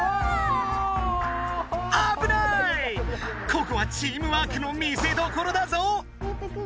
ここはチームワークの見せどころだぞ。